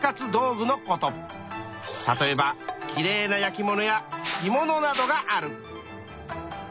例えばきれいな焼き物や着物などがある。